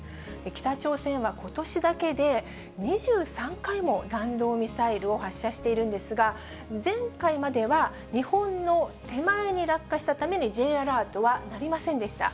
北朝鮮はことしだけで２３回も弾道ミサイルを発射しているんですが、前回までは日本の手前に落下したために、Ｊアラートは鳴りませんでした。